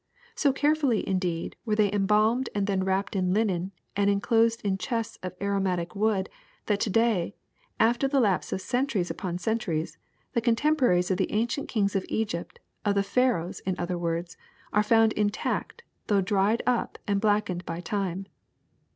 So carefully, indeed, were they embalmed and then wrapped in linen and enclosed in chests of aromatic wood that to day, after the lapse of centuries upon centuries, the contemporaries of the ancient kings of Egypt, of the Pharaohs in other words, are found intact, though dried up and blackened by time.''